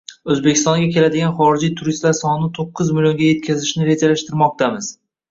O‘zbekistonga keladigan xorijiy turistlar sonini to'qqiz millionga yetkazishni rejalashtirmoqdamiz.